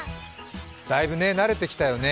だいぶね、慣れてきたよね